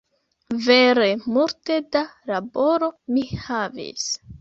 Vere multe da laboro mi havis